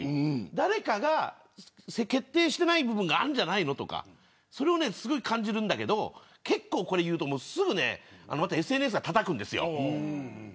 誰かが決定していない部分があるんじゃないのとかそれをすごい感じるんだけどこれを言うとすぐＳＮＳはたたくんですよ。